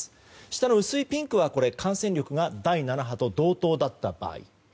下の薄いピンクは感染力が第７波と同等の場合。